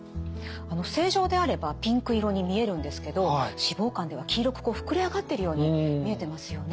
正常であればピンク色に見えるんですけど脂肪肝では黄色く膨れ上がっているように見えてますよね。